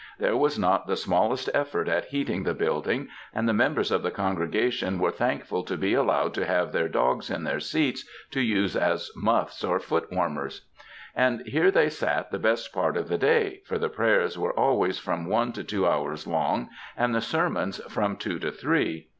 There was not the smallest effort at heating the building, and the members of the con gregation were thankful to be allowed to have their dogs in their seats to use as mufis or foot warmers. And here they sat the best part of the day, for the prayers were always from one to two hours long, and the sermons from two to three.